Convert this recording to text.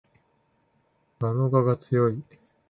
蛾の我が強い